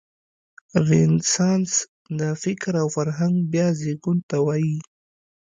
رنسانس د فکر او فرهنګ بیا زېږون ته وايي.